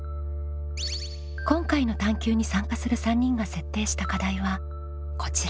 今回の探究に参加する３人が設定した課題はこちら。